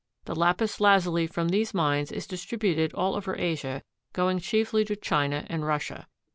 The lapis lazuli from these mines is distributed all over Asia, going chiefly to China and Russia.